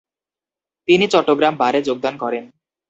তিনি চট্টগ্রাম বারে যোগদান করেন।